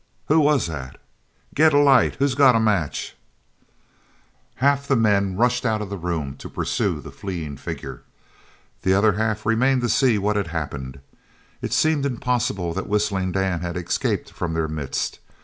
"Who was that?" "Get a light! Who's got a match?" Half the men rushed out of the room to pursue that fleeing figure. The other half remained to see what had happened. It seemed impossible that Whistling Dan had escaped from their midst.